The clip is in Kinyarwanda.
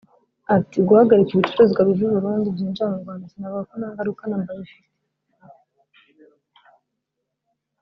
Ati “Guhagarika ibicuruzwa biva i Burundi byinjira mu Rwanda sinavuga ko nta ngaruka na mba bifite